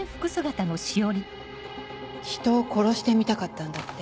人を殺してみたかったんだって。